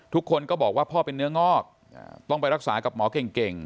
ทุกคนก็บอกว่าพ่อเป็นเนื้องอกต้องไปรักษากับหมอเก่ง